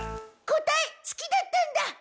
答え月だったんだ！